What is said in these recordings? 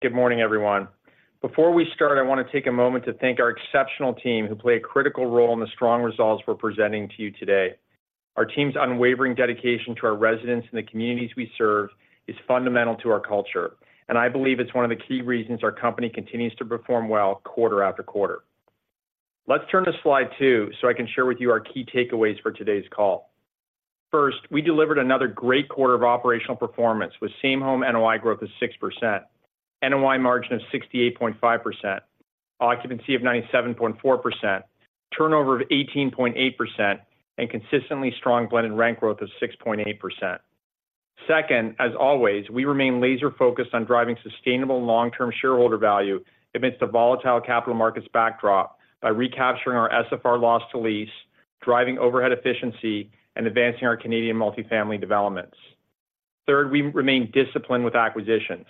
Good morning, everyone. Before we start, I want to take a moment to thank our exceptional team who play a critical role in the strong results we're presenting to you today. Our team's unwavering dedication to our residents and the communities we serve is fundamental to our culture, and I believe it's one of the key reasons our company continues to perform well quarter after quarter. Let's turn to slide two, so I can share with you our key takeaways for today's call. First, we delivered another great quarter of operational performance with same-home NOI growth of 6%, NOI margin of 68.5%, occupancy of 97.4%, turnover of 18.8%, and consistently strong blended rent growth of 6.8%. Second, as always, we remain laser-focused on driving sustainable long-term shareholder value amidst the volatile capital markets backdrop by recapturing our SFR loss to lease, driving overhead efficiency, and advancing our Canadian multifamily developments. Third, we remain disciplined with acquisitions.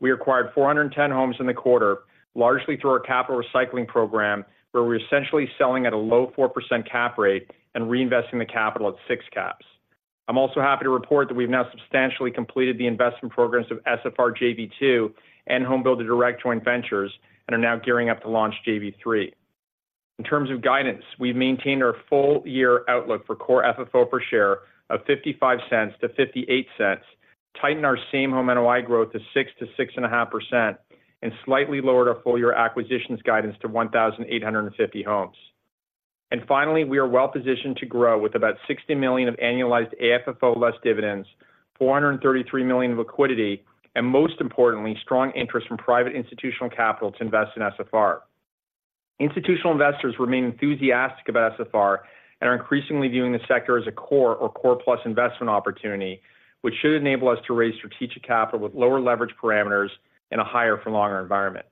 We acquired 410 homes in the quarter, largely through our capital recycling program, where we're essentially selling at a low 4% cap rate and reinvesting the capital at 6 caps. I'm also happy to report that we've now substantially completed the investment programs of SFR JV Two and Home Builder Direct joint ventures and are now gearing up to launch JV Three. In terms of guidance, we've maintained our full-year outlook for core FFO per share of $0.55-$0.58, tightened our same home NOI growth to 6%-6.5%, and slightly lowered our full-year acquisitions guidance to 1,850 homes. And finally, we are well-positioned to grow with about $60 million of annualized AFFO less dividends, $433 million of liquidity, and most importantly, strong interest from private institutional capital to invest in SFR. Institutional investors remain enthusiastic about SFR and are increasingly viewing the sector as a core or core plus investment opportunity, which should enable us to raise strategic capital with lower leverage parameters in a higher for longer environment.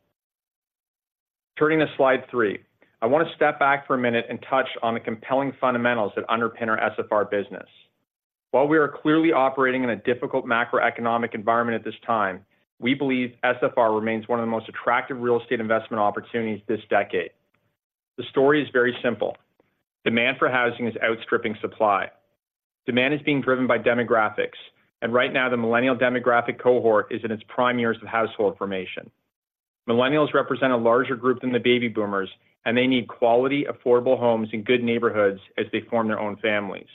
Turning to slide 3. I want to step back for a minute and touch on the compelling fundamentals that underpin our SFR business. While we are clearly operating in a difficult macroeconomic environment at this time, we believe SFR remains one of the most attractive real estate investment opportunities this decade. The story is very simple. Demand for housing is outstripping supply. Demand is being driven by demographics, and right now, the millennial demographic cohort is in its prime years of household formation. Millennials represent a larger group than the baby boomers, and they need quality, affordable homes in good neighborhoods as they form their own families.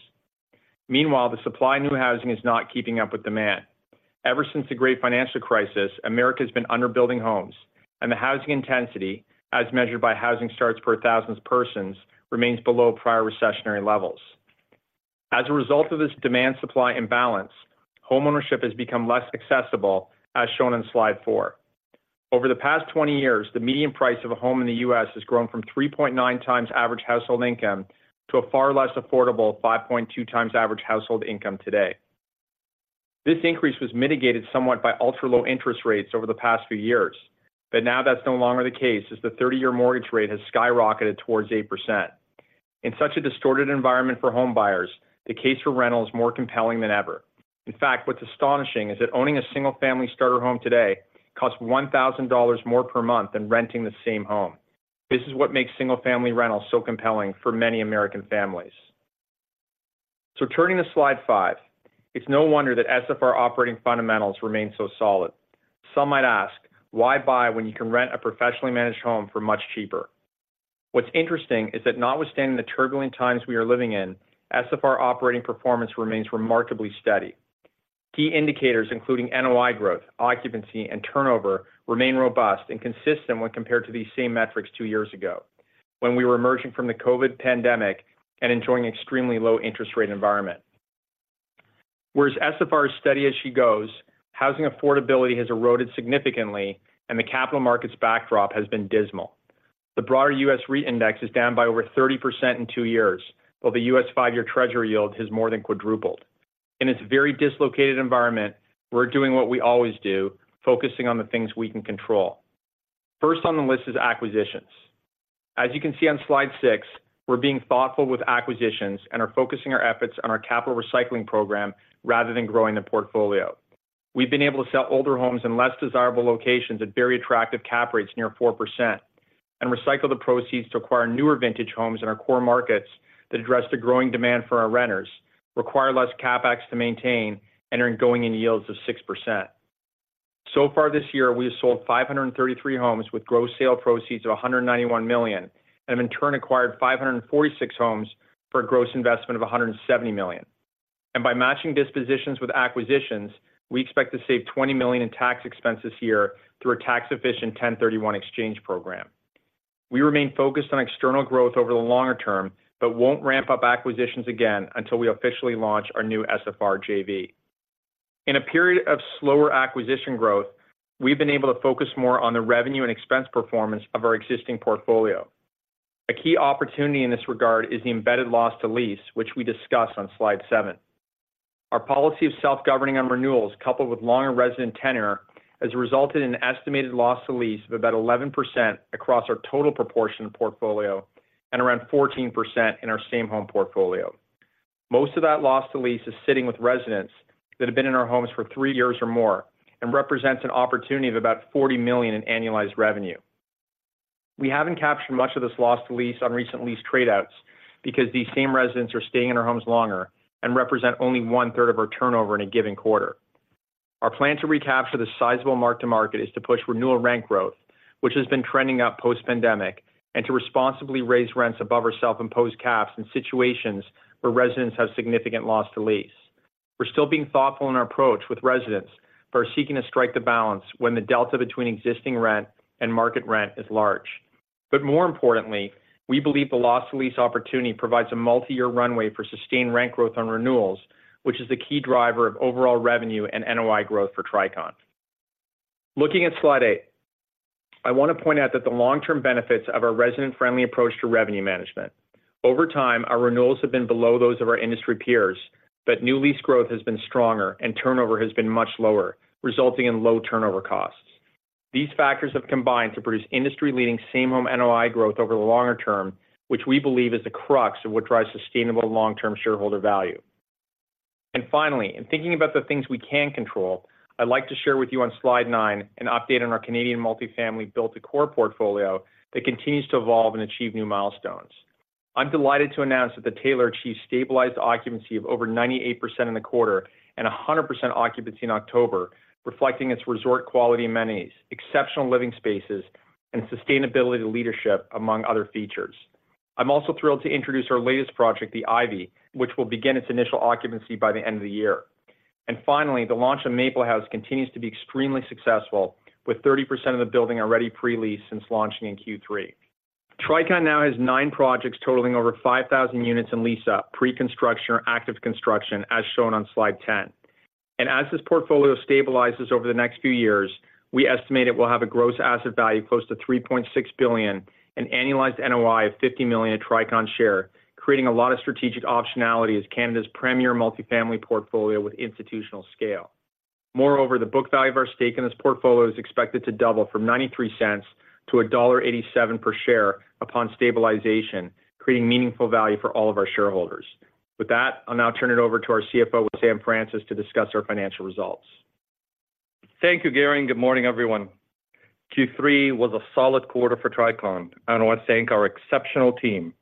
Meanwhile, the supply of new housing is not keeping up with demand. Ever since the great financial crisis, America has been under-building homes, and the housing intensity, as measured by housing starts per thousand persons, remains below prior recessionary levels. As a result of this demand-supply imbalance, homeownership has become less accessible, as shown in slide four. Over the past 20 years, the median price of a home in the U.S. has grown from 3.9 times average household income to a far less affordable 5.2 times average household income today. This increase was mitigated somewhat by ultra-low interest rates over the past few years, but now that's no longer the case, as the 30-year mortgage rate has skyrocketed towards 8%. In such a distorted environment for homebuyers, the case for rental is more compelling than ever. In fact, what's astonishing is that owning a single-family starter home today costs $1,000 more per month than renting the same home. This is what makes single-family rentals so compelling for many American families. So turning to slide five, it's no wonder that SFR operating fundamentals remain so solid. Some might ask, why buy when you can rent a professionally managed home for much cheaper? What's interesting is that notwithstanding the turbulent times we are living in, SFR operating performance remains remarkably steady. Key indicators, including NOI growth, occupancy, and turnover, remain robust and consistent when compared to these same metrics two years ago when we were emerging from the COVID pandemic and enjoying extremely low interest rate environment. Whereas SFR is steady as she goes, housing affordability has eroded significantly, and the capital markets backdrop has been dismal. The broader U.S. REIT index is down by over 30% in two years, while the U.S. five-year treasury yield has more than quadrupled. In its very dislocated environment, we're doing what we always do, focusing on the things we can control. First on the list is acquisitions. As you can see on slide six, we're being thoughtful with acquisitions and are focusing our efforts on our capital recycling program rather than growing the portfolio. We've been able to sell older homes in less desirable locations at very attractive cap rates near 4% and recycle the proceeds to acquire newer vintage homes in our core markets that address the growing demand for our renters, require less CapEx to maintain, and are in going-in yields of 6%. So far this year, we have sold 533 homes with gross sale proceeds of $191 million and have in turn acquired 546 homes for a gross investment of $170 million. And by matching dispositions with acquisitions, we expect to save $20 million in tax expenses year through a tax-efficient 1031 exchange program. We remain focused on external growth over the longer term, but won't ramp up acquisitions again until we officially launch our new SFR JV. In a period of slower acquisition growth, we've been able to focus more on the revenue and expense performance of our existing portfolio. A key opportunity in this regard is the embedded loss to lease, which we discuss on slide seven. Our policy of self-governing on renewals, coupled with longer resident tenure, has resulted in an estimated loss to lease of about 11% across our total proportion of portfolio and around 14% in our same home portfolio. Most of that loss to lease is sitting with residents that have been in our homes for three years or more and represents an opportunity of about $40 million in annualized revenue. We haven't captured much of this loss to lease on recent lease trade outs, because these same residents are staying in their homes longer and represent only one-third of our turnover in a given quarter. Our plan to recapture the sizable mark-to-market is to push renewal rent growth, which has been trending up post-pandemic, and to responsibly raise rents above our self-imposed caps in situations where residents have significant loss to lease. We're still being thoughtful in our approach with residents for seeking to strike the balance when the delta between existing rent and market rent is large. But more importantly, we believe the loss to lease opportunity provides a multi-year runway for sustained rent growth on renewals, which is the key driver of overall revenue and NOI growth for Tricon. Looking at slide 8, I want to point out that the long-term benefits of our resident-friendly approach to revenue management. Over time, our renewals have been below those of our industry peers, but new lease growth has been stronger and turnover has been much lower, resulting in low turnover costs. These factors have combined to produce industry-leading same-home NOI growth over the longer term, which we believe is the crux of what drives sustainable long-term shareholder value. Finally, in thinking about the things we can control, I'd like to share with you on slide nine an update on our Canadian multifamily built-to-core portfolio that continues to evolve and achieve new milestones. I'm delighted to announce that The Taylor achieved stabilized occupancy of over 98% in the quarter and 100% occupancy in October, reflecting its resort quality amenities, exceptional living spaces, and sustainability leadership, among other features. I'm also thrilled to introduce our latest project, The Ivy, which will begin its initial occupancy by the end of the year. Finally, the launch of Maple House continues to be extremely successful, with 30% of the building already pre-leased since launching in Q3. Tricon now has nine projects totaling over 5,000 units in lease up, pre-construction or active construction, as shown on slide 10. As this portfolio stabilizes over the next few years, we estimate it will have a gross asset value close to $3.6 billion, an annualized NOI of $50 million Tricon share, creating a lot of strategic optionality as Canada's premier multifamily portfolio with institutional scale. Moreover, the book value of our stake in this portfolio is expected to double from $0.93 to $1.87 per share upon stabilization, creating meaningful value for all of our shareholders. With that, I'll now turn it over to our CFO, Wissam Francis, to discuss our financial results. Thank you, Gary, and good morning, everyone. Q3 was a solid quarter for Tricon, and I want to thank our exceptional team,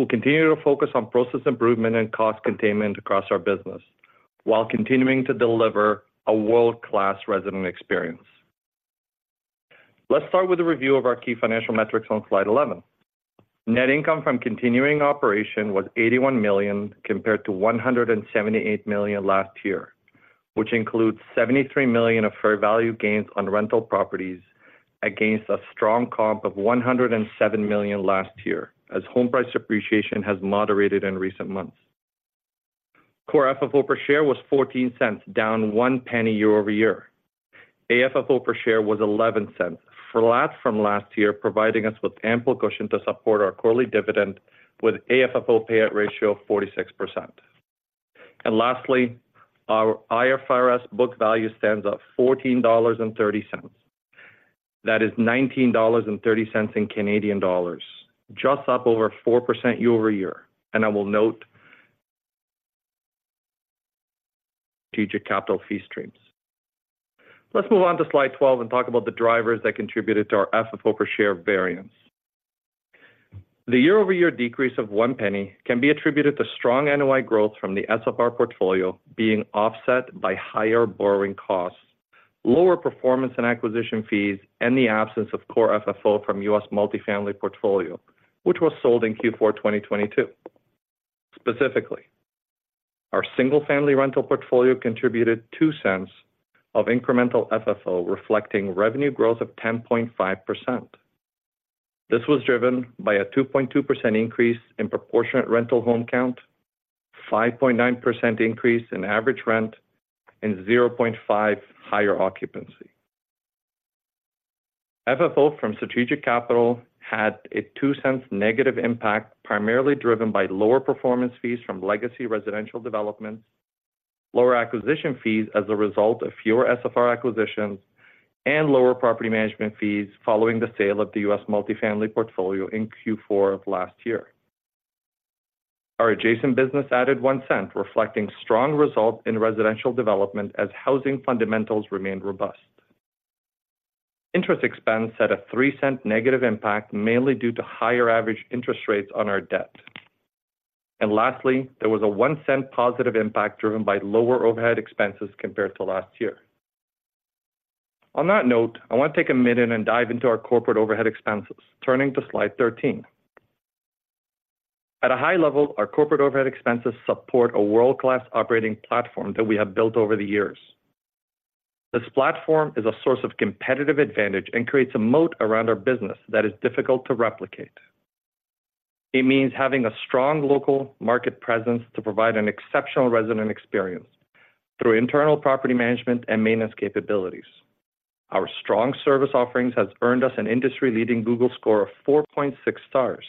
who continue to focus on process improvement and cost containment across our business, while continuing to deliver a world-class resident experience. Let's start with a review of our key financial metrics on slide 11. Net income from continuing operation was $81 million, compared to $178 million last year, which includes $73 million of fair value gains on rental properties against a strong comp of $107 million last year, as home price appreciation has moderated in recent months. Core FFO per share was $0.14, down $0.01 year-over-year. AFFO per share was $0.11, flat from last year, providing us with ample cushion to support our quarterly dividend with AFFO payout ratio of 46%. And lastly, our IFRS book value stands at $14.30. That is 19.30 dollars in Canadian dollars, just up over 4% year-over-year. And I will note strategic capital fee streams. Let's move on to slide 12 and talk about the drivers that contributed to our FFO per share variance. The year-over-year decrease of $0.01 can be attributed to strong NOI growth from the SFR portfolio being offset by higher borrowing costs, lower performance and acquisition fees, and the absence of core FFO from U.S. multifamily portfolio, which was sold in Q4 2022. Specifically, our single-family rental portfolio contributed $0.02 of incremental FFO, reflecting revenue growth of 10.5%. This was driven by a 2.2 increase in proportionate rental home count, 5.9% increase in average rent, and 0.5 higher occupancy. FFO from strategic capital had a $0.02 negative impact, primarily driven by lower performance fees from legacy residential developments, lower acquisition fees as a result of fewer SFR acquisitions, and lower property management fees following the sale of the U.S. multifamily portfolio in Q4 of last year. Our adjacent business added $0.01, reflecting strong results in residential development as housing fundamentals remained robust. Interest expense had a $0.03 negative impact, mainly due to higher average interest rates on our debt. Lastly, there was a $0.01 positive impact driven by lower overhead expenses compared to last year. On that note, I want to take a minute and dive into our corporate overhead expenses, turning to slide 13. At a high level, our corporate overhead expenses support a world-class operating platform that we have built over the years. This platform is a source of competitive advantage and creates a moat around our business that is difficult to replicate. It means having a strong local market presence to provide an exceptional resident experience through internal property management and maintenance capabilities. Our strong service offerings has earned us an industry-leading Google score of 4.6 stars.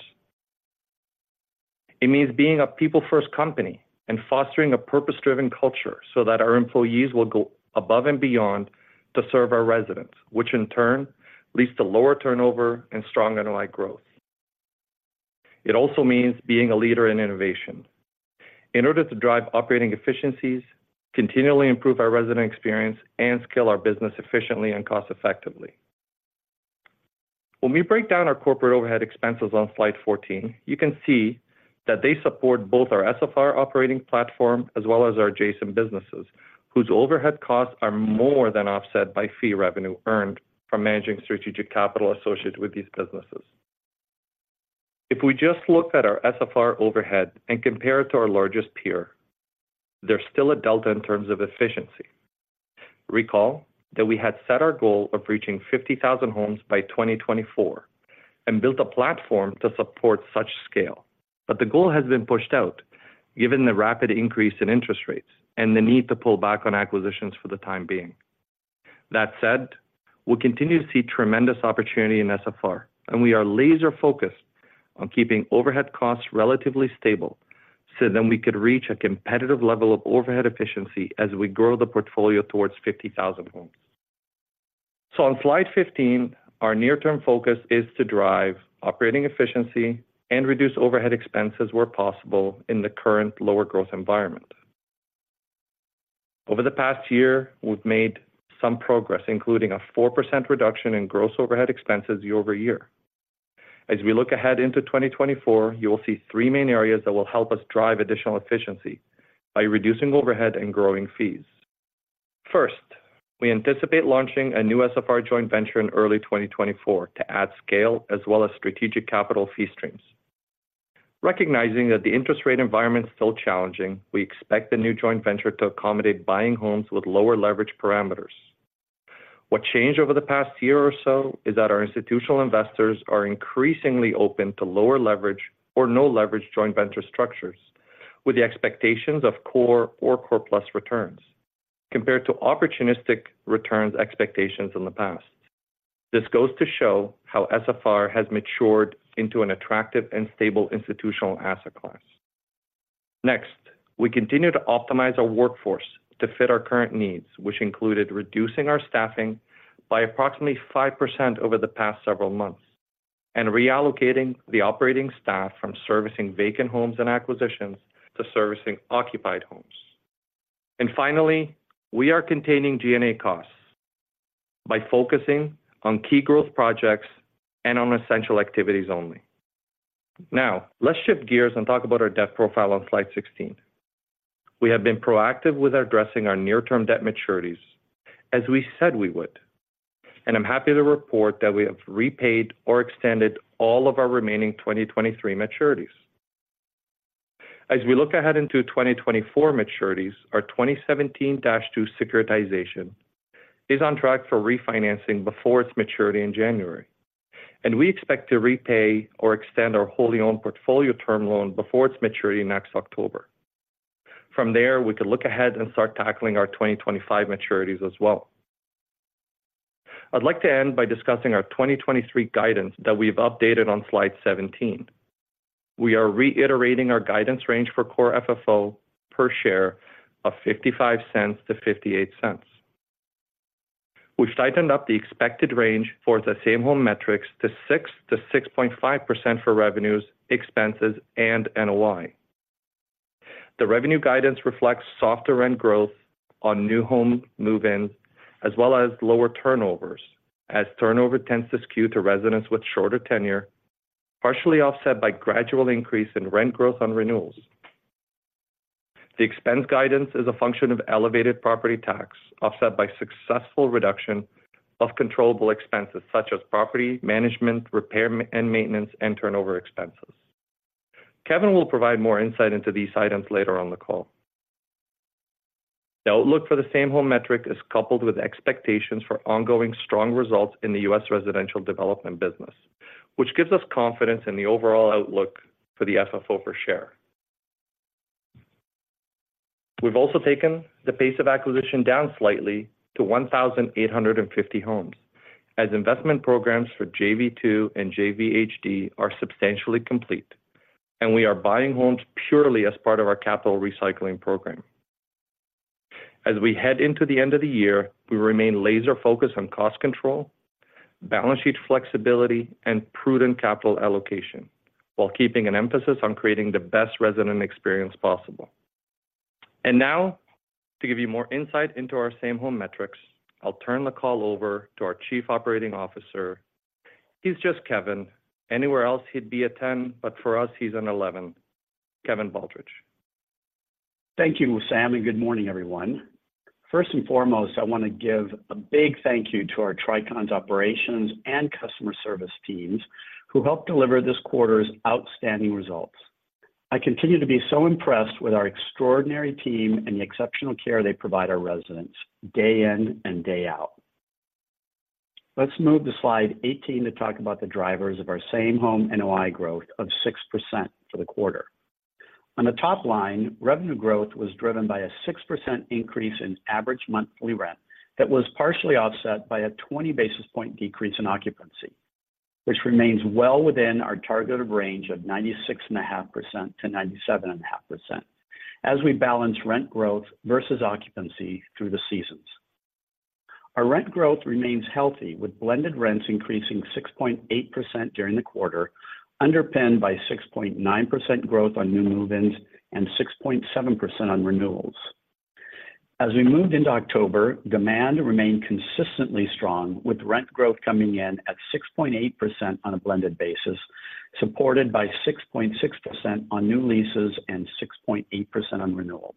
It means being a people-first company and fostering a purpose-driven culture so that our employees will go above and beyond to serve our residents, which in turn leads to lower turnover and strong NOI growth. It also means being a leader in innovation. In order to drive operating efficiencies, continually improve our resident experience, and scale our business efficiently and cost effectively. When we break down our corporate overhead expenses on slide 14, you can see that they support both our SFR operating platform as well as our adjacent businesses, whose overhead costs are more than offset by fee revenue earned from managing strategic capital associated with these businesses. If we just look at our SFR overhead and compare it to our largest peer, there's still a delta in terms of efficiency. Recall that we had set our goal of reaching 50,000 homes by 2024 and built a platform to support such scale. The goal has been pushed out, given the rapid increase in interest rates and the need to pull back on acquisitions for the time being. That said, we continue to see tremendous opportunity in SFR, and we are laser focused on keeping overhead costs relatively stable, so then we could reach a competitive level of overhead efficiency as we grow the portfolio towards 50,000 homes. So on slide 15, our near-term focus is to drive operating efficiency and reduce overhead expenses where possible in the current lower growth environment. Over the past year, we've made some progress, including a 4% reduction in gross overhead expenses year-over-year. As we look ahead into 2024, you will see three main areas that will help us drive additional efficiency by reducing overhead and growing fees. First, we anticipate launching a new SFR joint venture in early 2024 to add scale as well as strategic capital fee streams. Recognizing that the interest rate environment is still challenging, we expect the new joint venture to accommodate buying homes with lower leverage parameters. What changed over the past year or so is that our institutional investors are increasingly open to lower leverage or no leverage joint venture structures, with the expectations of core or core plus returns, compared to opportunistic returns expectations in the past. This goes to show how SFR has matured into an attractive and stable institutional asset class. Next, we continue to optimize our workforce to fit our current needs, which included reducing our staffing by approximately 5% over the past several months, and reallocating the operating staff from servicing vacant homes and acquisitions to servicing occupied homes. Finally, we are containing G&A costs by focusing on key growth projects and on essential activities only. Now, let's shift gears and talk about our debt profile on slide 16. We have been proactive with addressing our near-term debt maturities, as we said we would. I'm happy to report that we have repaid or extended all of our remaining 2023 maturities. As we look ahead into 2024 maturities, our 2017-2 securitization is on track for refinancing before its maturity in January, and we expect to repay or extend our wholly owned portfolio term loan before its maturity next October. From there, we could look ahead and start tackling our 2025 maturities as well. I'd like to end by discussing our 2023 guidance that we've updated on slide 17. We are reiterating our guidance range for Core FFO per share of $0.55-$0.58. We've tightened up the expected range for the same home metrics to 6%-6.5% for revenues, expenses, and NOI. The revenue guidance reflects softer rent growth on new home move-ins, as well as lower turnovers, as turnover tends to skew to residents with shorter tenure, partially offset by gradual increase in rent growth on renewals. The expense guidance is a function of elevated property tax, offset by successful reduction of controllable expenses such as property management, repair and maintenance, and turnover expenses. Kevin will provide more insight into these items later on the call. The outlook for the same home metric is coupled with expectations for ongoing strong results in the U.S. residential development business, which gives us confidence in the overall outlook for the FFO per share. We've also taken the pace of acquisition down slightly to 1,850 homes, as investment programs for JV Two and JV HD are substantially complete, and we are buying homes purely as part of our capital recycling program. As we head into the end of the year, we remain laser focused on cost control, balance sheet flexibility, and prudent capital allocation, while keeping an emphasis on creating the best resident experience possible. Now, to give you more insight into our same home metrics, I'll turn the call over to our Chief Operating Officer. He's just Kevin. Anywhere else, he'd be a ten, but for us, he's an eleven. Kevin Baldridge. Thank you, Sam, and good morning, everyone. First and foremost, I want to give a big thank you to our Tricon's operations and customer service teams who helped deliver this quarter's outstanding results. I continue to be so impressed with our extraordinary team and the exceptional care they provide our residents day in and day out. Let's move to slide 18 to talk about the drivers of our same home NOI growth of 6% for the quarter. On the top line, revenue growth was driven by a 6% increase in average monthly rent that was partially offset by a 20 basis point decrease in occupancy, which remains well within our targeted range of 96.5%-97.5%, as we balance rent growth versus occupancy through the seasons. Our rent growth remains healthy, with blended rents increasing 6.8% during the quarter, underpinned by 6.9% growth on new move-ins and 6.7% on renewals. As we moved into October, demand remained consistently strong, with rent growth coming in at 6.8% on a blended basis, supported by 6.6% on new leases and 6.8% on renewals.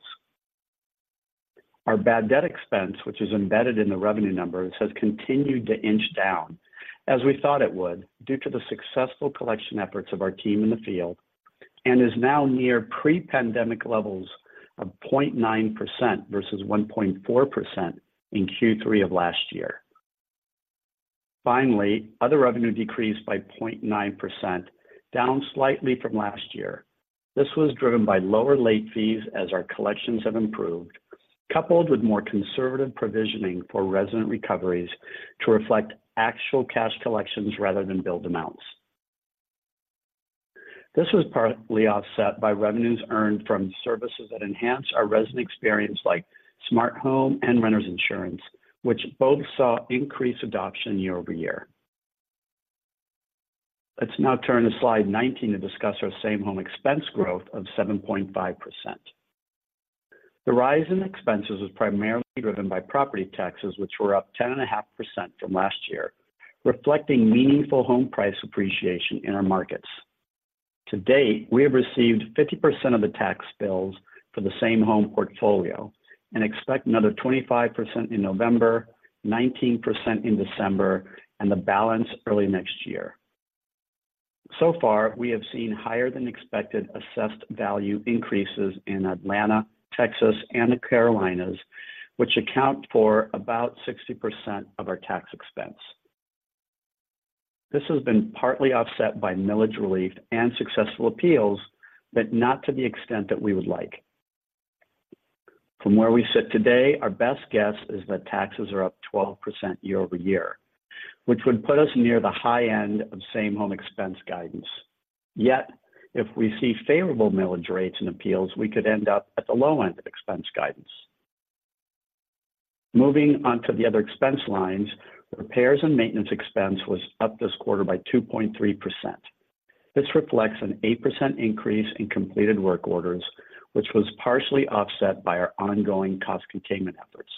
Our bad debt expense, which is embedded in the revenue numbers, has continued to inch down as we thought it would, due to the successful collection efforts of our team in the field, and is now near pre-pandemic levels of 0.9% versus 1.4% in Q3 of last year. Finally, other revenue decreased by 0.9%, down slightly from last year. This was driven by lower late fees as our collections have improved, coupled with more conservative provisioning for resident recoveries to reflect actual cash collections rather than build amounts. This was partly offset by revenues earned from services that enhance our resident experience, like Smart Home and renters insurance, which both saw increased adoption year over year. Let's now turn to slide 19 to discuss our same home expense growth of 7.5%. The rise in expenses was primarily driven by property taxes, which were up 10.5% from last year, reflecting meaningful home price appreciation in our markets. To date, we have received 50% of the tax bills for the same home portfolio and expect another 25% in November, 19% in December, and the balance early next year. So far, we have seen higher-than-expected assessed value increases in Atlanta, Texas, and the Carolinas, which account for about 60% of our tax expense. This has been partly offset by millage relief and successful appeals, but not to the extent that we would like. From where we sit today, our best guess is that taxes are up 12% year-over-year, which would put us near the high end of same home expense guidance. Yet, if we see favorable millage rates and appeals, we could end up at the low end of expense guidance. Moving on to the other expense lines, repairs and maintenance expense was up this quarter by 2.3%. This reflects an 8% increase in completed work orders, which was partially offset by our ongoing cost containment efforts.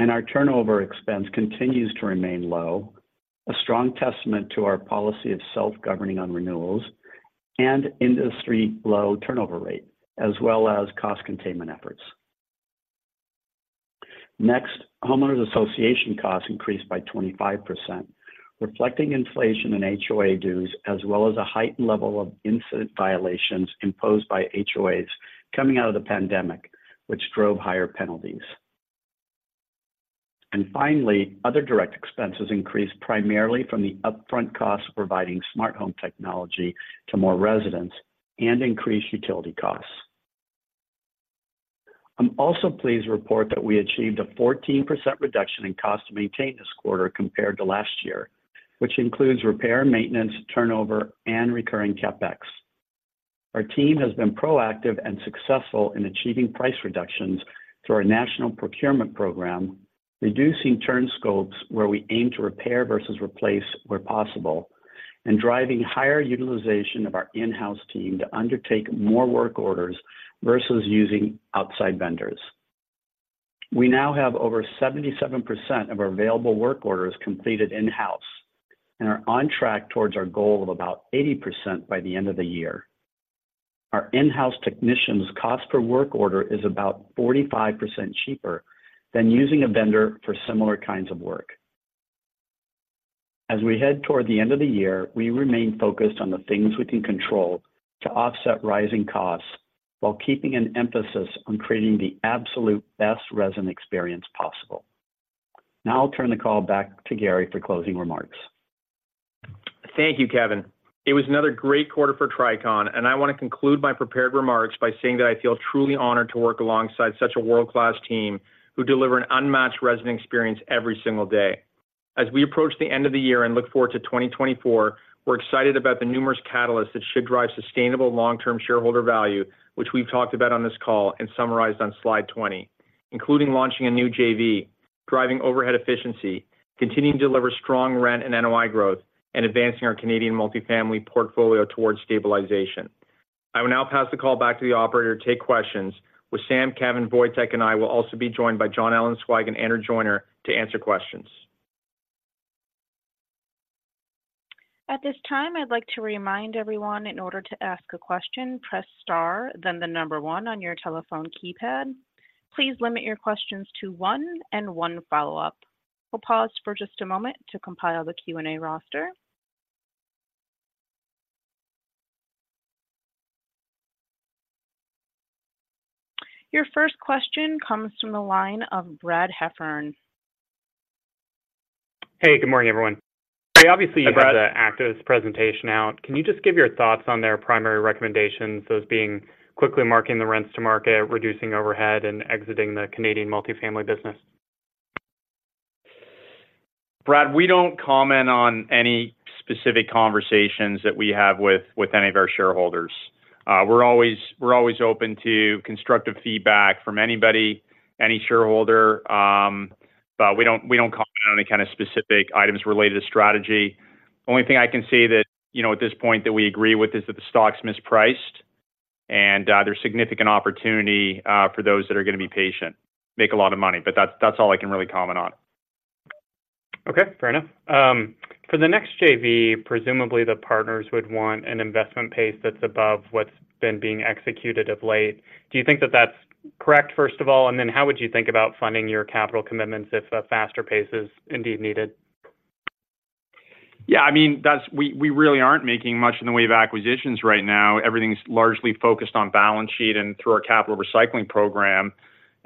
Our turnover expense continues to remain low, a strong testament to our policy of self-governing on renewals and industry-low turnover rate, as well as cost containment efforts. Next, homeowners association costs increased by 25%, reflecting inflation in HOA dues, as well as a heightened level of incident violations imposed by HOAs coming out of the pandemic, which drove higher penalties. Finally, other direct expenses increased primarily from the upfront cost of providing smart home technology to more residents and increased utility costs. I'm also pleased to report that we achieved a 14% reduction in cost to maintain this quarter compared to last year, which includes repair and maintenance, turnover, and recurring CapEx. Our team has been proactive and successful in achieving price reductions through our national procurement program, reducing turn scopes where we aim to repair versus replace where possible, and driving higher utilization of our in-house team to undertake more work orders versus using outside vendors. We now have over 77% of our available work orders completed in-house and are on track towards our goal of about 80% by the end of the year. Our in-house technicians' cost per work order is about 45% cheaper than using a vendor for similar kinds of work. As we head toward the end of the year, we remain focused on the things we can control to offset rising costs while keeping an emphasis on creating the absolute best resident experience possible. Now I'll turn the call back to Gary for closing remarks. Thank you, Kevin. It was another great quarter for Tricon, and I want to conclude my prepared remarks by saying that I feel truly honored to work alongside such a world-class team who deliver an unmatched resident experience every single day. As we approach the end of the year and look forward to 2024, we're excited about the numerous catalysts that should drive sustainable long-term shareholder value, which we've talked about on this call and summarized on slide 20, including launching a new JV, driving overhead efficiency, continuing to deliver strong rent and NOI growth, and advancing our Canadian multifamily portfolio towards stabilization. I will now pass the call back to the operator to take questions, with Sam, Kevin, Wojtek, and I will also be joined by Jon Ellenzweig and Andrew Joyner to answer questions. At this time, I'd like to remind everyone in order to ask a question, press star, then the number one on your telephone keypad. Please limit your questions to one and one follow-up. We'll pause for just a moment to compile the Q&A roster. Your first question comes from the line of Brad Heffern. Hey, good morning, everyone. Obviously, you have the activist presentation out. Can you just give your thoughts on their primary recommendations, those being quickly marking the rents to market, reducing overhead, and exiting the Canadian multifamily business? Brad, we don't comment on any specific conversations that we have with any of our shareholders. We're always open to constructive feedback from anybody, any shareholder, but we don't comment on any kind of specific items related to strategy. The only thing I can say that, you know, at this point that we agree with is that the stock's mispriced, and there's significant opportunity for those that are gonna be patient, make a lot of money. But that's all I can really comment on. Okay, fair enough. For the next JV, presumably the partners would want an investment pace that's above what's been being executed of late. Do you think that that's correct, first of all, and then how would you think about funding your capital commitments if a faster pace is indeed needed? Yeah, I mean, that's we really aren't making much in the way of acquisitions right now. Everything's largely focused on balance sheet and through our capital recycling program,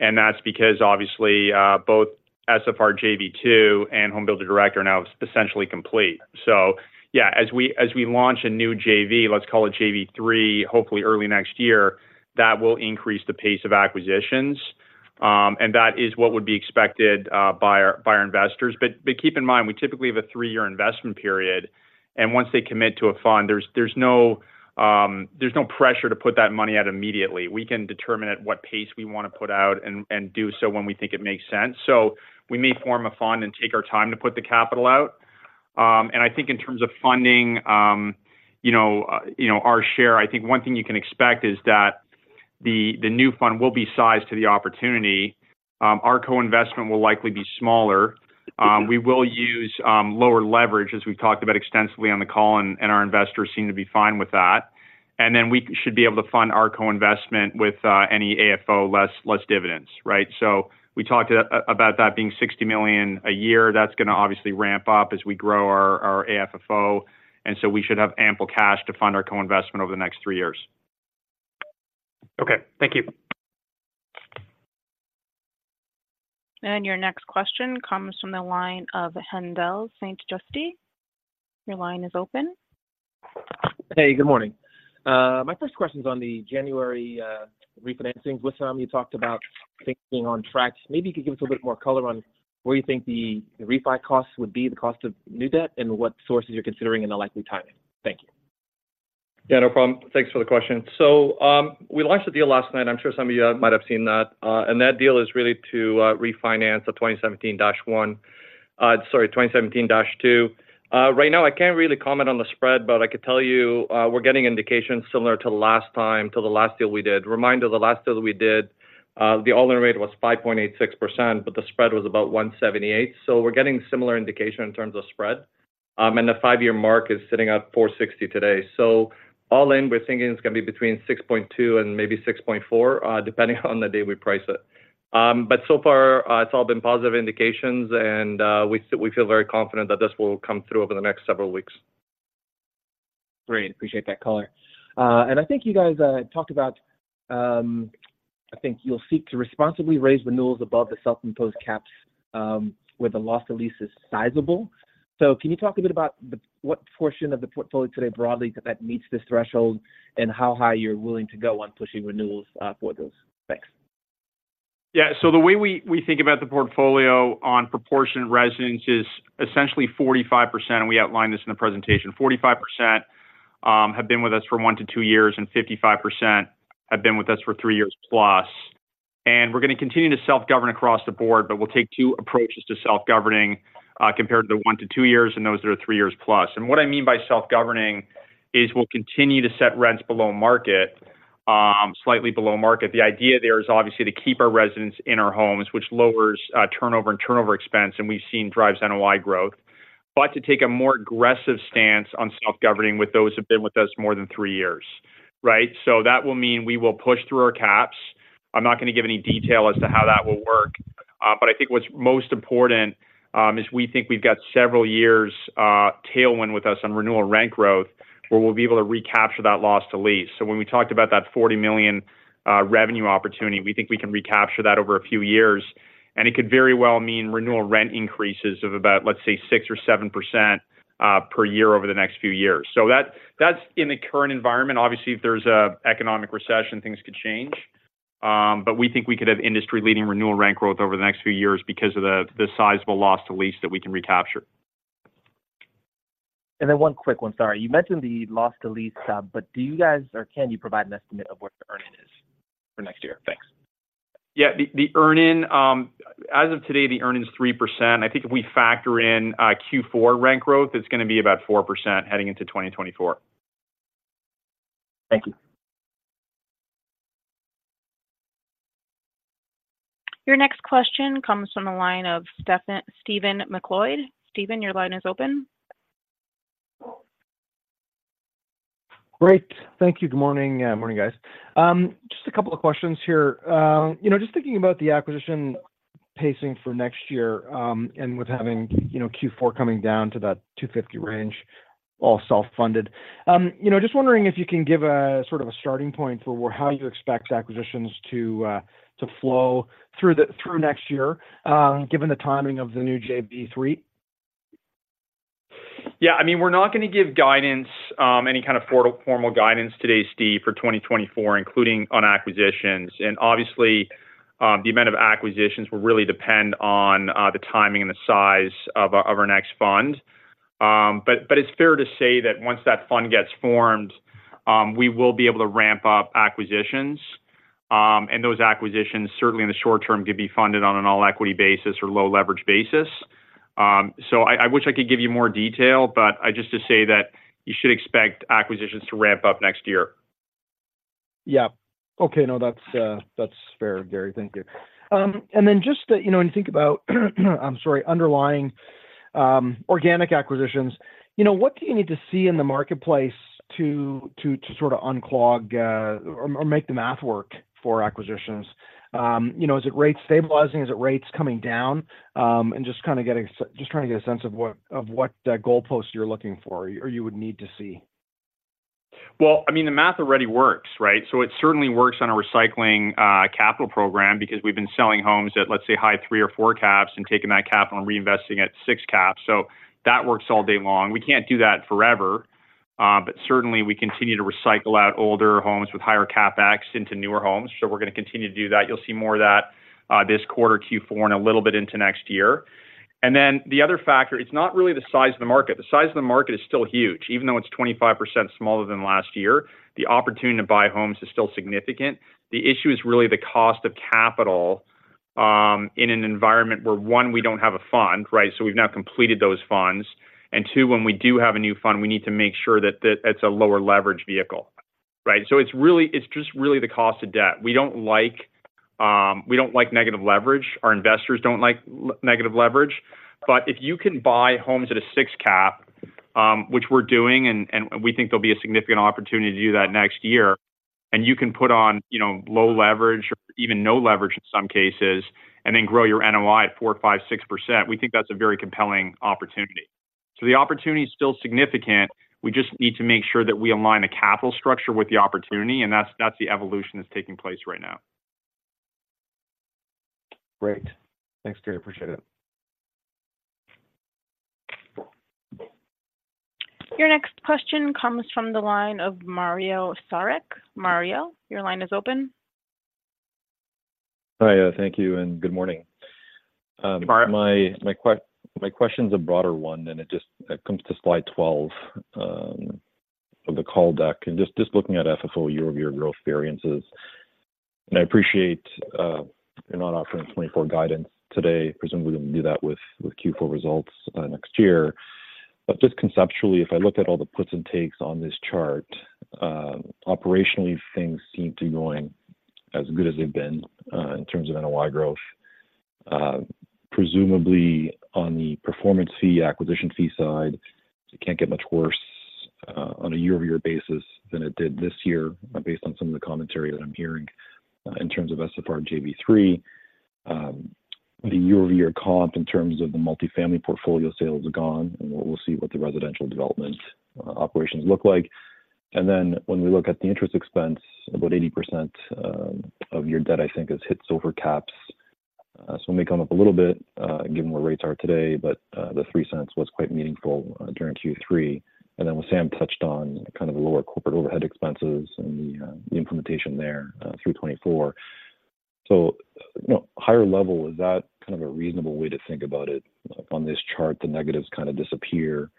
and that's because obviously both SFR JV Two and Home Builder Direct are now essentially complete. So yeah, as we, as we launch a new JV, let's call it JV Three, hopefully early next year, that will increase the pace of acquisitions, and that is what would be expected by our, by our investors. But, but keep in mind, we typically have a three-year investment period, and once they commit to a fund, there's no pressure to put that money out immediately. We can determine at what pace we want to put out and do so when we think it makes sense. So we may form a fund and take our time to put the capital out. And I think in terms of funding, you know, you know, our share, I think one thing you can expect is that the, the new fund will be sized to the opportunity. Our co-investment will likely be smaller. We will use, lower leverage, as we've talked about extensively on the call, and, and our investors seem to be fine with that. And then we should be able to fund our co-investment with, any AFFO, less, less dividends, right? So we talked about that being $60 million a year. That's gonna obviously ramp up as we grow our, our AFFO, and so we should have ample cash to fund our co-investment over the next three years. Okay, thank you. And your next question comes from the line of Haendel St. Juste. Your line is open. Hey, good morning. My first question is on the January refinancing with some you talked about thinking on tracks. Maybe you could give us a bit more color on where you think the refi costs would be, the cost of new debt, and what sources you're considering, and the likely timing. Thank you. Yeah, no problem. Thanks for the question. So, we launched the deal last night. I'm sure some of you might have seen that. And that deal is really to refinance the 2017-1 sorry, 2017-2. Right now, I can't really comment on the spread, but I could tell you, we're getting indications similar to last time, to the last deal we did. Reminder, the last deal we did, the all-in rate was 5.86%, but the spread was about 178. So we're getting similar indication in terms of spread. And the five-year mark is sitting at 460 today. So all in, we're thinking it's gonna be between 6.2% and maybe 6.4%, depending on the day we price it. But so far, it's all been positive indications, and we feel very confident that this will come through over the next several weeks. Great, appreciate that color. And I think you guys talked about, I think you'll seek to responsibly raise renewals above the self-imposed caps, where the loss of lease is sizable. So can you talk a bit about what portion of the portfolio today broadly that meets this threshold, and how high you're willing to go on pushing renewals for those? Thanks. Yeah, so the way we think about the portfolio on proportion of residents is essentially 45%, and we outlined this in the presentation. 45% have been with us for one to two years, and 55% have been with us for three years plus. We're gonna continue to self-govern across the board, but we'll take two approaches to self-governing compared to the one to two years and those that are three years plus. What I mean by self-governing is we'll continue to set rents below market, slightly below market. The idea there is obviously to keep our residents in our homes, which lowers turnover and turnover expense, and we've seen drives NOI growth, but to take a more aggressive stance on self-governing with those who have been with us more than three years, right? So that will mean we will push through our caps. I'm not gonna give any detail as to how that will work, but I think what's most important is we think we've got several years tailwind with us on renewal rent growth, where we'll be able to recapture that loss to lease. So when we talked about that $40 million revenue opportunity, we think we can recapture that over a few years, and it could very well mean renewal rent increases of about, let's say, 6% or 7% per year over the next few years. So that, that's in the current environment. Obviously, if there's a economic recession, things could change, but we think we could have industry-leading renewal rent growth over the next few years because of the sizable loss to lease that we can recapture. And then one quick one, sorry. You mentioned the loss to lease, but do you guys or can you provide an estimate of what the earn in is for next year? Thanks. Yeah, the, the earn in, as of today, the earn in is 3%. I think if we factor in, Q4 rent growth, it's gonna be about 4% heading into 2024. Thank you. Your next question comes from the line of Stephen MacLeod. Stephen, your line is open. Great. Thank you. Good morning. Morning, guys. Just a couple of questions here. You know, just thinking about the acquisition pacing for next year, and with having, you know, Q4 coming down to that $250 range, all self-funded. You know, just wondering if you can give a sort of a starting point for where, how you expect acquisitions to flow through next year, given the timing of the new JV three? Yeah, I mean, we're not going to give guidance, any kind of formal guidance today, Steve, for 2024, including on acquisitions. Obviously, the amount of acquisitions will really depend on the timing and the size of our next fund. But it's fair to say that once that fund gets formed, we will be able to ramp up acquisitions, and those acquisitions, certainly in the short term, could be funded on an all-equity basis or low leverage basis. So I wish I could give you more detail, but just to say that you should expect acquisitions to ramp up next year. Yeah. Okay, no, that's fair, Gary. Thank you. And then just to, you know, when you think about, I'm sorry, underlying organic acquisitions, you know, what do you need to see in the marketplace to sort of unclog or make the math work for acquisitions? You know, is it rates stabilizing? Is it rates coming down? And just kinda getting just trying to get a sense of what the goalpost you're looking for or you would need to see. Well, I mean, the math already works, right? So it certainly works on a recycling capital program because we've been selling homes at, let's say, high three or four caps and taking that capital and reinvesting at six caps. So that works all day long. We can't do that forever, but certainly, we continue to recycle out older homes with higher CapEx into newer homes. So we're gonna continue to do that. You'll see more of that this quarter, Q4, and a little bit into next year. And then the other factor, it's not really the size of the market. The size of the market is still huge. Even though it's 25% smaller than last year, the opportunity to buy homes is still significant. The issue is really the cost of capital in an environment where, one, we don't have a fund, right? So we've now completed those funds. And two, when we do have a new fund, we need to make sure that, that it's a lower leverage vehicle, right? So it's really, it's just really the cost of debt. We don't like, we don't like negative leverage. Our investors don't like negative leverage. But if you can buy homes at a six cap, which we're doing, and we think there'll be a significant opportunity to do that next year, and you can put on, you know, low leverage or even no leverage in some cases, and then grow your NOI 4%-6%, we think that's a very compelling opportunity. So the opportunity is still significant. We just need to make sure that we align the capital structure with the opportunity, and that's, that's the evolution that's taking place right now. Great. Thanks, Gary. Appreciate it. Your next question comes from the line of Mario Saric. Mario, your line is open. Hi, thank you and good morning. Hi. My question is a broader one, and it just comes to slide 12 of the call deck, and just looking at FFO year-over-year growth variances. I appreciate you're not offering 2024 guidance today. Presumably, we'll do that with Q4 results next year. But just conceptually, if I look at all the puts and takes on this chart, operationally, things seem to be going as good as they've been in terms of NOI growth. Presumably on the performance fee, acquisition fee side, it can't get much worse on a year-over-year basis than it did this year, based on some of the commentary that I'm hearing in terms of SFR JV 3. The year-over-year comp in terms of the multifamily portfolio sales are gone, and we'll see what the residential development operations look like. And then when we look at the interest expense, about 80% of your debt, I think, has hit fixed caps. So it may come up a little bit given where rates are today, but the $0.03 was quite meaningful during Q3. And then when Sam touched on kind of the lower corporate overhead expenses and the implementation there through 2024. So, you know, higher level, is that kind of a reasonable way to think about it? On this chart, the negatives kinda disappear,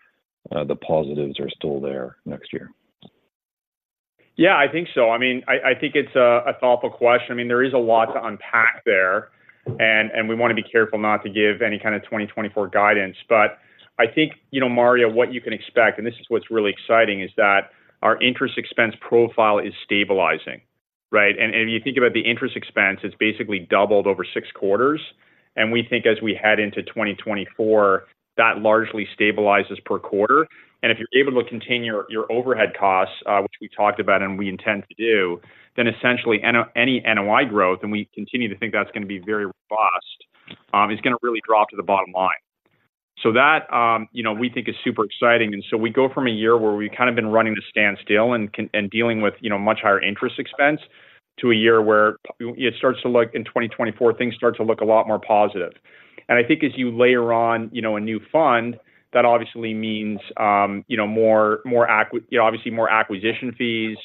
the positives are still there next year. Yeah, I think so. I mean, I think it's a thoughtful question. I mean, there is a lot to unpack there, and we wanna be careful not to give any kinda 2024 guidance. But I think, you know, Mario, what you can expect, and this is what's really exciting, is that our interest expense profile is stabilizing, right? And if you think about the interest expense, it's basically doubled over 6 quarters, and we think as we head into 2024, that largely stabilizes per quarter. And if you're able to contain your overhead costs, which we talked about and we intend to do, then essentially any NOI growth, and we continue to think that's gonna be very robust, is gonna really drop to the bottom line. So that, you know, we think is super exciting. So we go from a year where we've kind of been running to standstill and dealing with, you know, much higher interest expense, to a year where it starts to look, in 2024, things start to look a lot more positive. I think as you layer on, you know, a new fund, that obviously means, you know, more acquisition fees.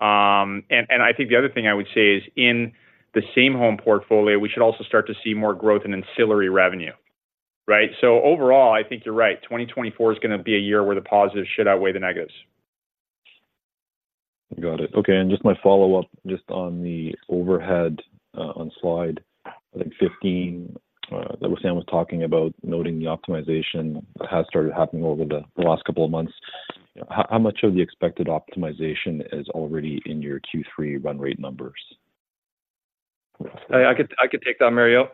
I think the other thing I would say is in the same home portfolio, we should also start to see more growth in ancillary revenue, right? So overall, I think you're right. 2024 is gonna be a year where the positives should outweigh the negatives. Got it. Okay, and just my follow-up, just on the overhead, on slide, I think 15, that Sam was talking about noting the optimization has started happening over the last couple of months. How much of the expected optimization is already in your Q3 run rate numbers? I could, I could take that, Mario.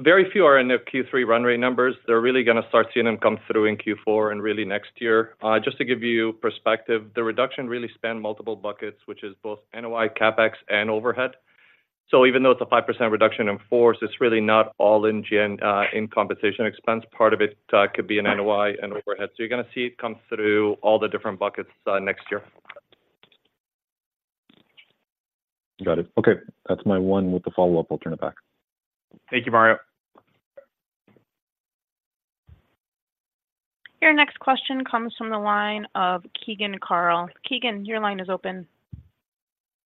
Very few are in the Q3 run rate numbers. They're really gonna start seeing them come through in Q4 and really next year. Just to give you perspective, the reduction really span multiple buckets, which is both NOI, CapEx, and overhead. So even though it's a 5% reduction in force, it's really not all in G&A, in compensation expense. Part of it, could be in NOI and overhead. So you're gonna see it come through all the different buckets, next year. Got it. Okay, that's my one with the follow-up. I'll turn it back. Thank you, Mario. Your next question comes from the line of Keegan Carl. Keegan, your line is open.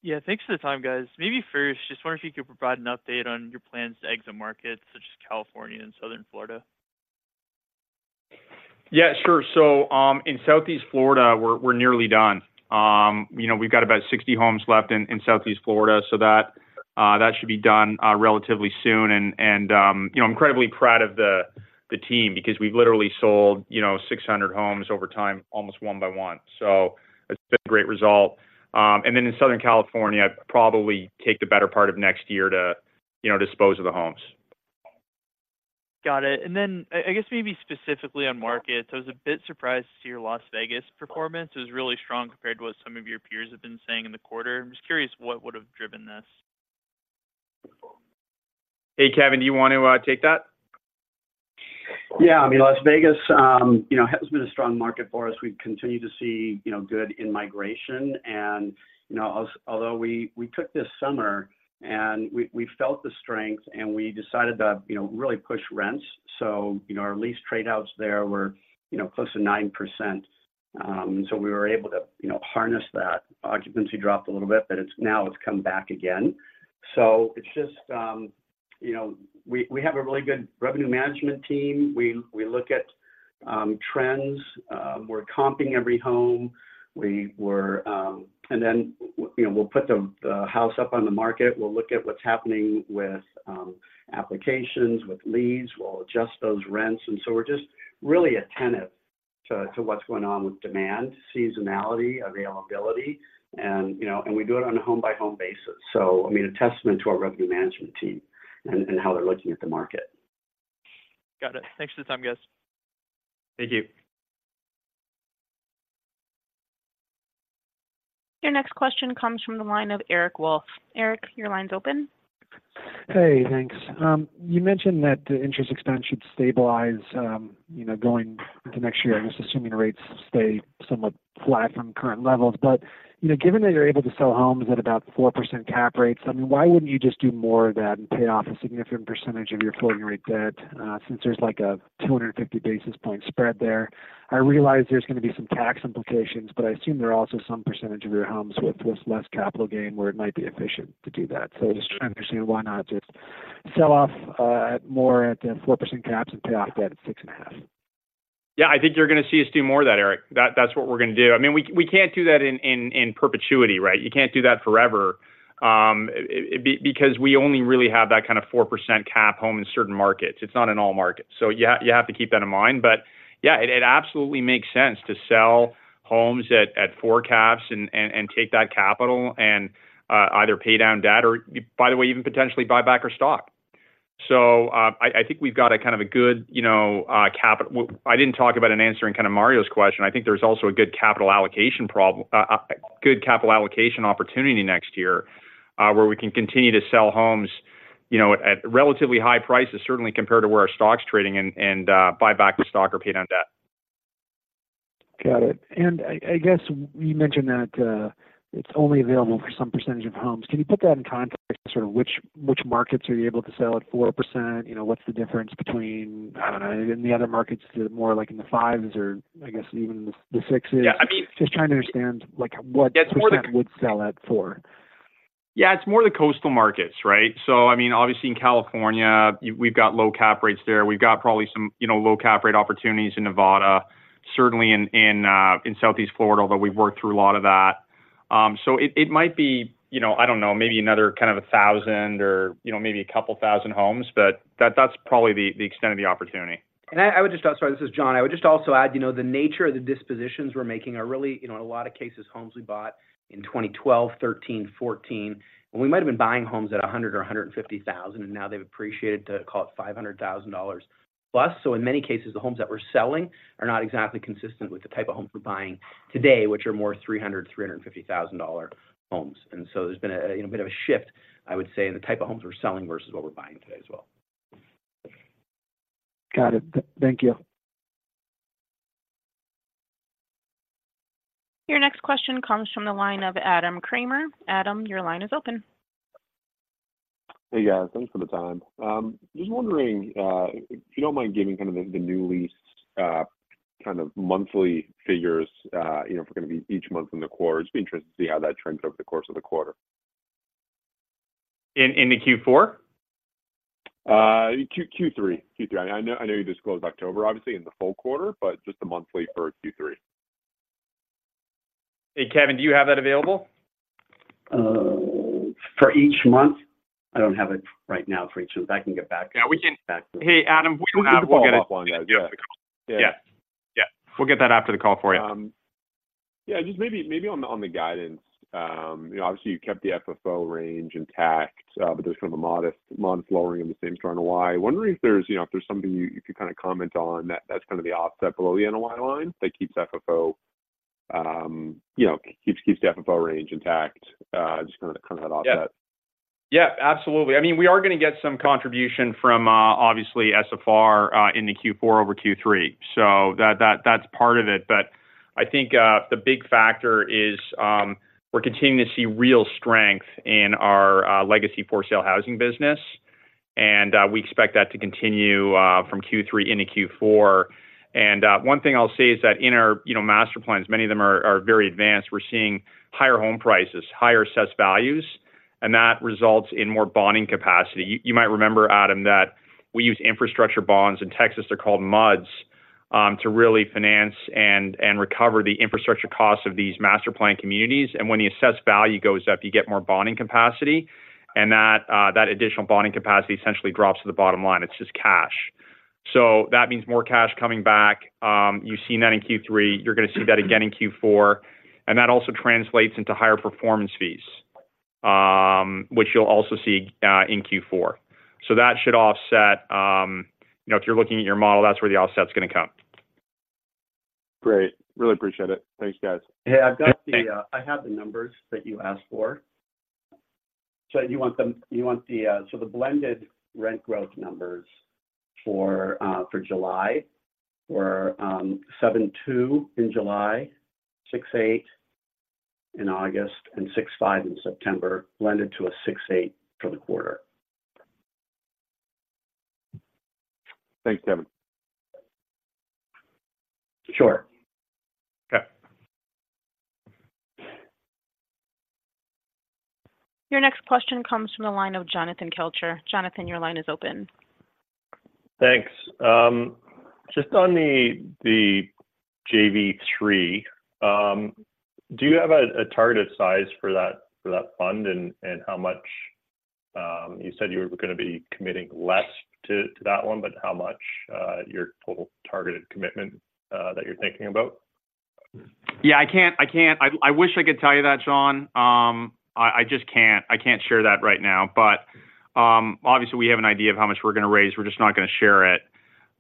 Yeah, thanks for the time, guys. Maybe first, just wonder if you could provide an update on your plans to exit markets such as California and Southern Florida? Yeah, sure. So, in Southeast Florida, we're nearly done. You know, we've got about 60 homes left in Southeast Florida, so that should be done relatively soon. And, you know, I'm incredibly proud of the team because we've literally sold, you know, 600 homes over time, almost one by one. So it's been a great result. And then in Southern California, probably take the better part of next year to, you know, dispose of the homes. Got it. And then I guess maybe specifically on markets, I was a bit surprised to see your Las Vegas performance. It was really strong compared to what some of your peers have been saying in the quarter. I'm just curious what would have driven this? Hey, Kevin, do you want to take that? Yeah. I mean, Las Vegas, you know, has been a strong market for us. We continue to see, you know, good immigration and, you know, although we took this summer, and we felt the strength, and we decided to, you know, really push rents. So, you know, our lease trade-outs there were, you know, close to 9%. So we were able to, you know, harness that. Occupancy dropped a little bit, but it's now come back again. So it's just the same, we have a really good revenue management team. We look at trends, we're comping every home. And then, you know, we'll put the house up on the market. We'll look at what's happening with applications, with leads. We'll adjust those rents, and so we're just really attentive to what's going on with demand, seasonality, availability, and, you know, we do it on a home-by-home basis. So, I mean, a testament to our revenue management team and how they're looking at the market. Got it. Thanks for the time, guys. Thank you. Your next question comes from the line of Eric Wolfe. Eric, your line's open. Hey, thanks. You mentioned that the interest expense should stabilize, you know, going into next year. I'm just assuming rates stay somewhat flat from current levels. But, you know, given that you're able to sell homes at about 4% cap rates, I mean, why wouldn't you just do more of that and pay off a significant percentage of your floating rate debt, since there's, like, a 250 basis point spread there? I realize there's going to be some tax implications, but I assume there are also some percentage of your homes with, with less capital gain, where it might be efficient to do that. So just trying to understand why not just sell off, more at the 4% caps and pay off debt at 6.5%? Yeah, I think you're going to see us do more of that, Eric. That's what we're going to do. I mean, we can't do that in perpetuity, right? You can't do that forever, because we only really have that kind of 4% cap rate in certain markets. It's not in all markets. So you have to keep that in mind. But yeah, it absolutely makes sense to sell homes at four caps and take that capital and either pay down debt or, by the way, even potentially buy back our stock. So, I think we've got a kind of a good, you know, capital well, I didn't talk about an answer in kind of Mario's question. I think there's also a good capital allocation problem, a good capital allocation opportunity next year, where we can continue to sell homes, you know, at relatively high prices, certainly compared to where our stock's trading, and buy back the stock or pay down debt. Got it. And I, I guess you mentioned that, it's only available for some percentage of homes. Can you put that in context of which, which markets are you able to sell at 4%? You know, what's the difference between, in the other markets, is it more like in the five or I guess even the, the six? Yeah, I mean- Just trying to understand, like, what- It's more the Percent would sell at four. Yeah, it's more the coastal markets, right? So I mean, obviously, in California, we've got low cap rates there. We've got probably some, you know, low cap rate opportunities in Nevada, certainly in Southeast Florida, although we've worked through a lot of that. So it might be, you know, I don't know, maybe another kind of 1,000 or, you know, maybe 2,000 homes, but that's probably the extent of the opportunity. Sorry, this is John. I would just also add, you know, the nature of the dispositions we're making are really, you know, in a lot of cases, homes we bought in 2012, 2013, 2014. We might have been buying homes at $100,000 or $150,000, and now they've appreciated to, call it, $500,000 plus. So in many cases, the homes that we're selling are not exactly consistent with the type of homes we're buying today, which are more $300,000-$350,000 homes. So there's been a, you know, a bit of a shift, I would say, in the type of homes we're selling versus what we're buying today as well. Got it. Thank you. Your next question comes from the line of Adam Kramer. Adam, your line is open. Hey, guys. Thanks for the time. Just wondering if you don't mind giving kind of the new lease kind of monthly figures, you know, if we're gonna break each month in the quarter. It'd be interesting to see how that trends over the course of the quarter. In the Q4? Q3. I know, I know you disclosed October, obviously, in the full quarter, but just a monthly for Q3. Hey, Kevin, do you have that available? For each month? I don't have it right now for each month. I can get back- Yeah, we can- Back to you. Hey, Adam, we can get it. Well, I'll follow up on that. Yeah. Yeah. We'll get that after the call for you. Yeah, just maybe on the guidance. You know, obviously, you kept the FFO range intact, but there's been a modest month lowering in the same quarter, I know why. Wondering if there's, you know, if there's something you could kinda comment on that's kinda the offset below the NOI line that keeps FFO, you know, keeps the FFO range intact. Just kinda that offset. Yeah, absolutely. I mean, we are going to get some contribution from, obviously SFR, in the Q4 over Q3. So that, that's part of it. But I think, the big factor is, we're continuing to see real strength in our, legacy for-sale housing business, and, we expect that to continue, from Q3 into Q4. And, one thing I'll say is that in our, you know, master plans, many of them are very advanced. We're seeing higher home prices, higher assessed values, and that results in more bonding capacity. You might remember, Adam, that we use infrastructure bonds, in Texas they're called MUDs, to really finance and recover the infrastructure costs of these master planned communities. And when the assessed value goes up, you get more bonding capacity, and that additional bonding capacity essentially drops to the bottom line. It's just cash. So that means more cash coming back. You've seen that in Q3, you're going to see that again in Q4. And that also translates into higher performance fees, which you'll also see in Q4. So that should offset, you know, if you're looking at your model, that's where the offset is going to come. Great. Really appreciate it. Thanks, guys. Hey, I've got the, I have the numbers that you asked for. So you want them—you want the, so the blended rent growth numbers for, for July were, 7.2% in July, 6.8% in August, and 6.5% in September, blended to a 6.8% for the quarter. Thanks, Kevin. Sure. Okay. Your next question comes from the line of Jonathan Kelcher. Jonathan, your line is open. Thanks. Just on the JV3, do you have a target size for that fund and how much you said you were going to be committing less to that one, but how much your total targeted commitment that you're thinking about? Yeah, I can't. I wish I could tell you that, John. I just can't. I can't share that right now. But, obviously, we have an idea of how much we're going to raise. We're just not going to share it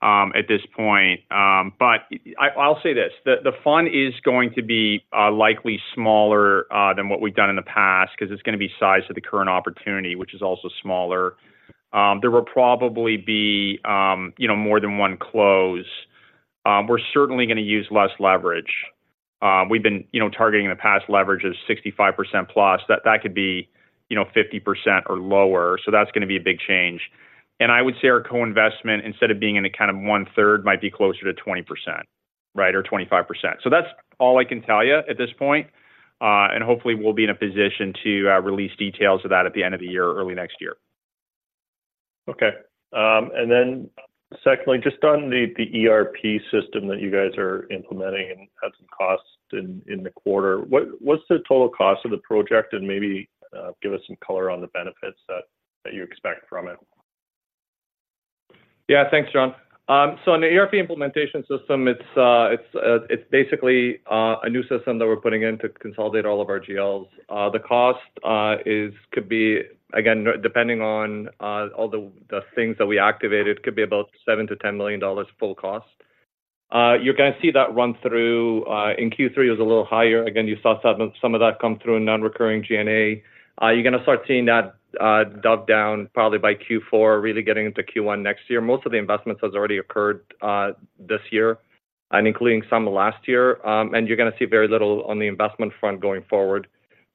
at this point. But I'll say this, the fund is going to be likely smaller than what we've done in the past because it's going to be sized to the current opportunity, which is also smaller. There will probably be, you know, more than one close. We're certainly going to use less leverage. We've been, you know, targeting in the past leverage of 65% plus. That could be, you know, 50% or lower, so that's going to be a big change. I would say our co-investment, instead of being in a kind of 1/3, might be closer to 20%, right, or 25%. That's all I can tell you at this point, and hopefully we'll be in a position to release details of that at the end of the year or early next year. Okay. And then secondly, just on the ERP system that you guys are implementing and had some costs in the quarter, what's the total cost of the project? And maybe give us some color on the benefits that you expect from it. Yeah. Thanks, John. So on the ERP implementation system, it's basically a new system that we're putting in to consolidate all of our GLs. The cost is, could be, again, depending on all the things that we activated, could be about $7 million to $10 million full cost. You're going to see that run through in Q3 is a little higher. Again, you saw some of that come through in non-recurring G&A. You're going to start seeing that dug down probably by Q4, really getting into Q1 next year. Most of the investments has already occurred this year, and including some last year. And you're going to see very little on the investment front going forward.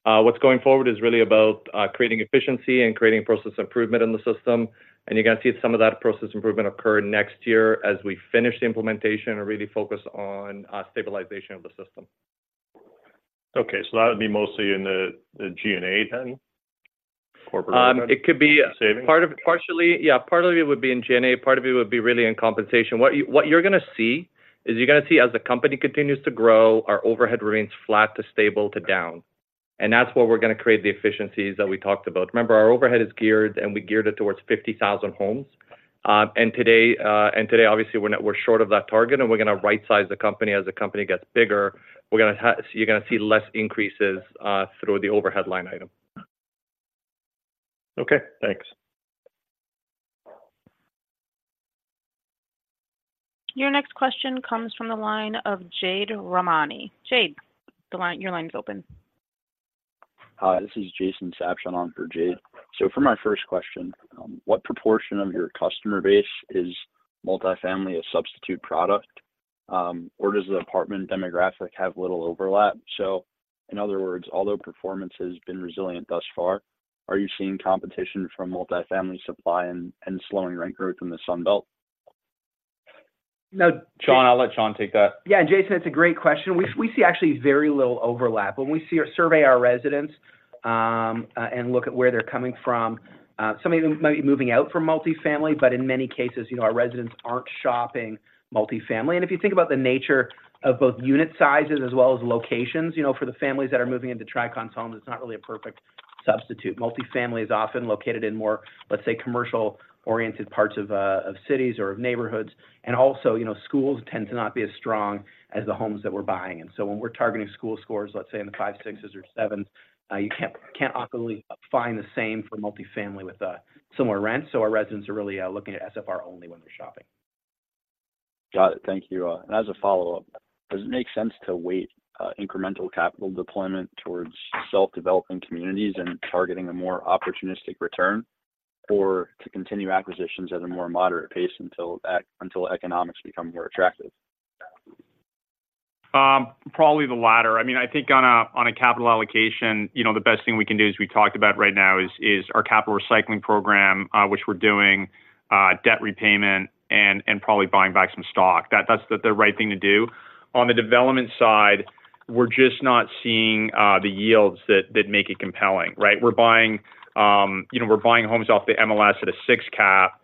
What's going forward is really about creating efficiency and creating process improvement in the system, and you're going to see some of that process improvement occur next year as we finish the implementation and really focus on stabilization of the system. Okay, so that would be mostly in the G&A, then corporate- It could be- Savings Part of it, partially, yeah, part of it would be in G&A, part of it would be really in compensation. What you, what you're going to see is you're going to see, as the company continues to grow, our overhead remains flat to stable to down, and that's where we're going to create the efficiencies that we talked about. Remember, our overhead is geared, and we geared it towards 50,000 homes. And today, obviously, we're short of that target, and we're going to rightsize the company. As the company gets bigger, you're going to see less increases through the overhead line item. Okay, thanks. Your next question comes from the line of Jade Rahmani. Jade, the line. Your line is open. Hi, this is Jason Sabshon on for Jade. For my first question, what proportion of your customer base is multifamily a substitute product, or does the apartment demographic have little overlap? In other words, although performance has been resilient thus far, are you seeing competition from multifamily supply and slowing rent growth in the Sun Belt? No. John, I'll let John take that. Yeah, Jason, it's a great question. We, we see actually very little overlap. When we see or survey our residents, and look at where they're coming from, some of them might be moving out from multifamily, but in many cases, you know, our residents aren't shopping multifamily. And if you think about the nature of both unit sizes as well as locations, you know, for the families that are moving into Tricon homes, it's not really a perfect substitute. Multifamily is often located in more, let's say, commercial-oriented parts of, of cities or of neighborhoods. And also, you know, schools tend to not be as strong as the homes that we're buying. And so when we're targeting school scores, let's say in the five, six seven you can't, can't often find the same for multifamily with, similar rents. So our residents are really looking at SFR only when they're shopping. Got it. Thank you. And as a follow-up, does it make sense to weigh incremental capital deployment towards self-developing communities and targeting a more opportunistic return, or to continue acquisitions at a more moderate pace until economics become more attractive? Probably the latter. I mean, I think on a capital allocation, you know, the best thing we can do, as we talked about right now, is our capital recycling program, which we're doing, debt repayment and probably buying back some stock. That's the right thing to do. On the development side, we're just not seeing the yields that make it compelling, right? We're buying, you know, we're buying homes off the MLS at a six cap.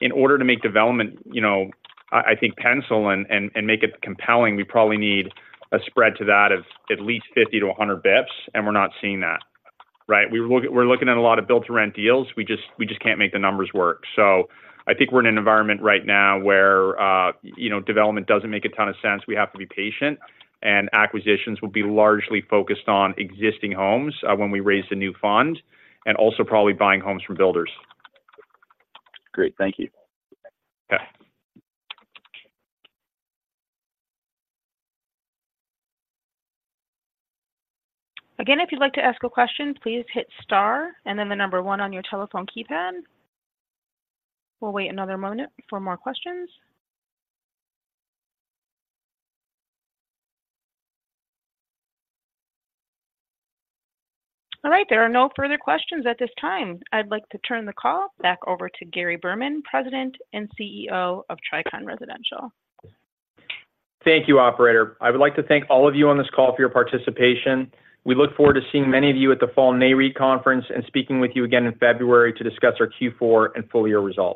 In order to make development, you know, I think, pencil and make it compelling, we probably need a spread to that of at least 50-100 basis points, and we're not seeing that, right? We're looking at a lot of build-to-rent deals. We just can't make the numbers work. So I think we're in an environment right now where, you know, development doesn't make a ton of sense. We have to be patient, and acquisitions will be largely focused on existing homes, when we raise the new fund, and also probably buying homes from builders. Great. Thank you. Okay. Again, if you'd like to ask a question, please hit star and then the number one on your telephone keypad. We'll wait another moment for more questions. All right, there are no further questions at this time. I'd like to turn the call back over to Gary Berman, President and CEO of Tricon Residential. Thank you, operator. I would like to thank all of you on this call for your participation. We look forward to seeing many of you at the Fall NAREIT conference and speaking with you again in February to discuss our Q4 and full year results.